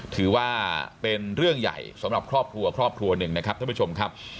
ถือว่าเป็นเรื่องใหญ่สำหรับครอบครัวครอบครัวหนึ่งนะครับท่านผู้ชมครับ